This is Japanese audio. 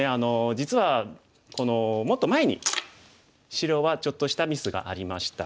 実はこのもっと前に白はちょっとしたミスがありました。